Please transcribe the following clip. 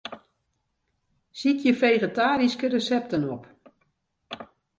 Sykje fegetaryske resepten op.